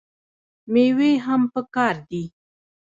میوې هم پکار دي.